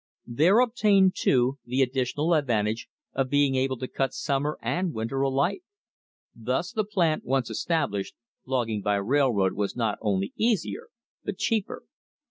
There obtained, too, the additional advantage of being able to cut summer and winter alike. Thus, the plant once established, logging by railroad was not only easier but cheaper.